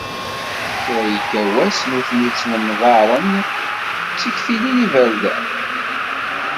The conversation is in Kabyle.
Kra yekka wass nutni ttnemḍaren, ttektilin iberdan.